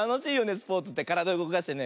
スポーツってからだうごかしてね。